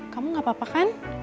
kamu gak apa apa kan